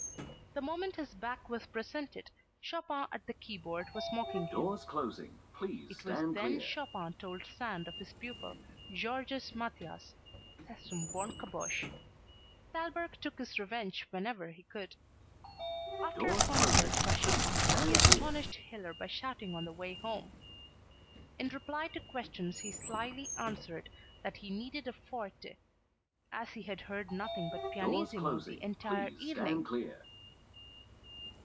The moment his back was presented, Chopin at the keyboard was mocking him. It was then Chopin told Sand of his pupil, Georges Mathias, "c'est une bonne caboche." Thalberg took his revenge whenever he could. After a concert by Chopin he astonished Hiller by shouting on the way home. In reply to questions he slily answered that he needed a forte as he had heard nothing but pianissimo the entire evening!